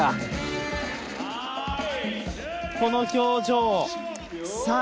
この表情。